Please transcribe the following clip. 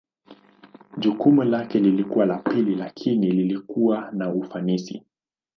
Jukumu lake lilikuwa la pili lakini lilikuwa na ufanisi.